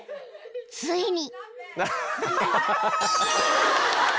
［ついに］